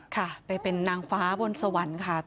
ค่ะไปเป็นนางฟ้าบนสวรรค์ค่ะ